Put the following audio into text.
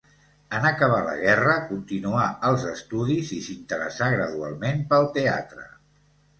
En acabar la guerra, continuà els estudis i s'interessà gradualment pel teatre.